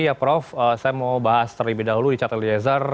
ya prof saya mau bahas terlebih dahulu richard eliezer